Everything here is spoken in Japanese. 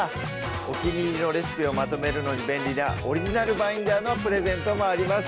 お気に入りのレシピをまとめるのに便利なオリジナルバインダーのプレゼントもあります